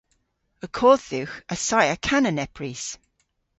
Y kodh dhywgh assaya kana nepprys.